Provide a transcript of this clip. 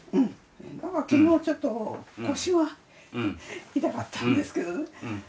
昨日ちょっと腰が痛かったんですけどね。